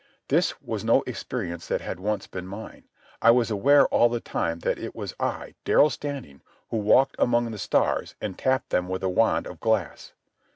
This was no experience that had once been mine. I was aware all the time that it was I, Darrell Standing, who walked among the stars and tapped them with a wand of glass.